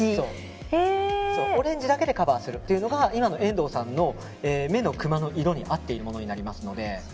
オレンジだけでカバーするというのが今の遠藤さんの目のくまの色に合っているものになりますので。